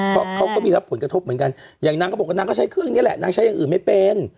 เพราะเขาก็มีรับผลกระทบเหมือนกันอย่างนางก็บอกว่านางก็ใช้เครื่องนี้แหละนางใช้อย่างอื่นไม่เป็น